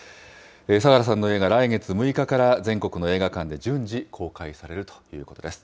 サハラさんの映画、来月６日から全国の映画館で順次、公開されるということです。